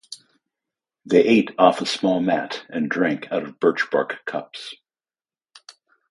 They ate off a small mat, and drank out of birch-bark cups.